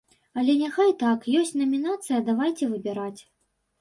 Але няхай так, ёсць намінацыя давайце выбіраць.